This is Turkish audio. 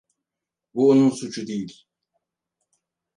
Bu onun suçu değil.